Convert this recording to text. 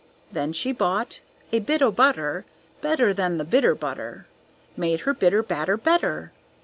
Then she bought a bit o' butter Better than the bitter butter, Made her bitter batter better.